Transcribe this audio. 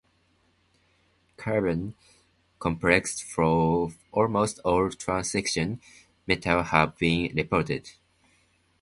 Carbene complexes for almost all transition metals have been reported.